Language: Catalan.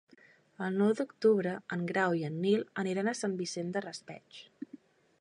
El nou d'octubre en Grau i en Nil aniran a Sant Vicent del Raspeig.